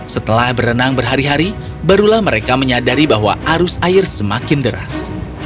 setelah berenang berhari hari barulah mereka menyadari bahwa arus air semakin deras